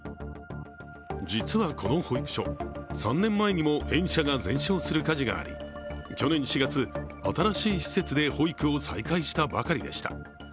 実はこの保育所、３年前にも園舎が全焼する火事があり去年４月、新しい施設で保育を再開したばかりでした。